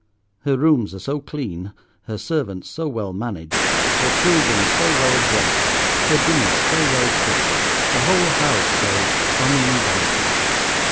Her rooms are so clean, her servants so well managed, her children so well dressed, her dinners so well cooked; the whole house so uninviting.